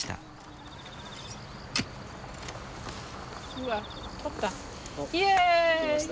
うわ取った。